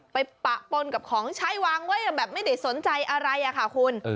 ปะปนกับของใช้วางไว้แบบไม่ได้สนใจอะไรค่ะคุณ